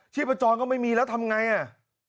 พจรก็ไม่มีแล้วทำไงอ่ะ